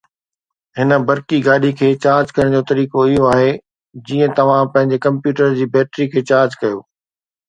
هن برقي گاڏي کي چارج ڪرڻ جو طريقو اهو آهي جيئن توهان پنهنجي ڪمپيوٽر جي بيٽري کي چارج ڪيو